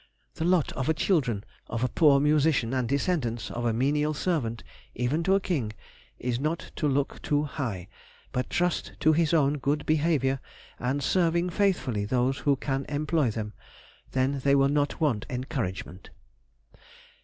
The lot of the children of a poor musician and descendants of a menial servant (even to a king) is not to look too high, but trust to his own good behaviour and serving faithfully those who can employ them; then they will not want encouragement.